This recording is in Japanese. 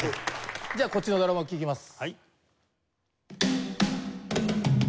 じゃあこっちのドラムを聴きます。